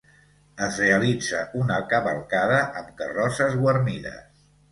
Es realitza una cavalcada amb carrosses guarnides.